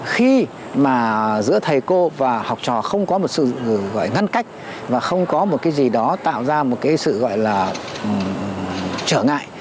khi mà giữa thầy cô và học trò không có một sự gọi ngăn cách và không có một cái gì đó tạo ra một cái sự gọi là trở ngại